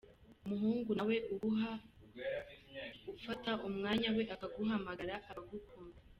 Umuhungu nawe uguha ufata umwanya we akaguhamagara aba agukunda.